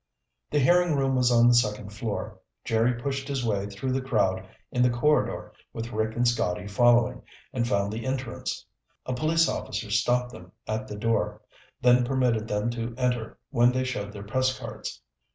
The hearing room was on the second floor. Jerry pushed his way through the crowd in the corridor with Rick and Scotty following, and found the entrance. A police officer stopped them at the door, then permitted them to enter when they showed their press cards.